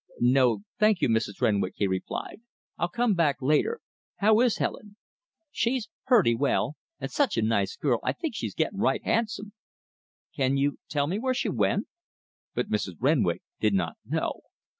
"No, thank you, Mrs. Renwick," he replied, "I'll come back later. How is Helen?" "She's purty well; and sech a nice girL I think she's getting right handsome." "Can you tell me where she went?" But Mrs. Renwick did not know.